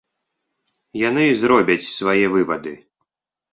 Яны зробяць свае вывады.